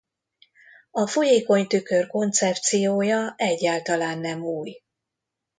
A folyékony tükör koncepciója egyáltalán nem új.